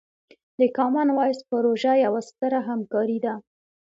د کامن وایس پروژه یوه ستره همکارۍ ده.